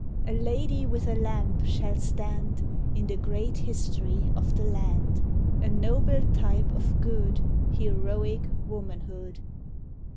A Lady with a Lamp shall stand In the great history of the land, A noble type of good, Heroic womanhood.